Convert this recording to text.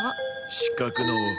四角のを。